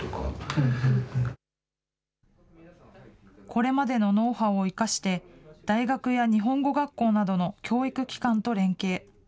これまでのノウハウを生かして大学や日本語学校などの教育機関と連携。